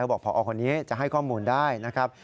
บอกพอคนนี้จะให้ข้อมูลได้นะครับ